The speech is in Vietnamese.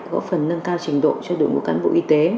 góp phần nâng cao trình độ cho đội ngũ cán bộ y tế